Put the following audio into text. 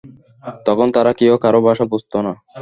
তখন তারা কেউ কারো ভাষা বুঝত না।